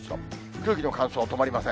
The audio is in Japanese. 空気の乾燥止まりません。